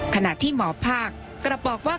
ขนาดที่หมอภาคก็จะบอกว่า